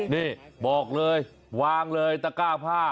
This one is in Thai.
นี่บอกเลยวางเลยตะก้าผ้า